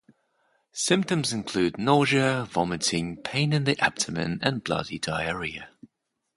Symptoms include nausea, vomiting, pain in the abdomen, and bloody diarrhea.